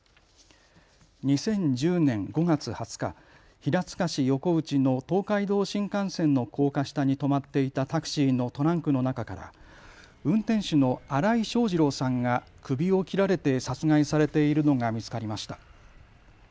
２０１０年５月２０日平塚市横内の東海道新幹線の高架下に止まっていたタクシーのトランクの中から運転手の荒井庄次郎さんが首を切られて殺害されているのが見つかりました。